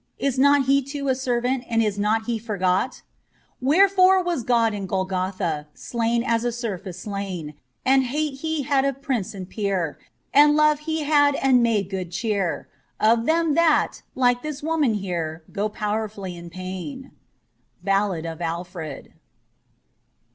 Is not He too a servant, And is not He forgot ? Wherefore was God in Golgotha Slain as a serf is slain ; And hate He had of prince and peer, And love He had and made good cheer, Of them that, like this woman here. Go powerfully in pain. * Ballad of Alfred.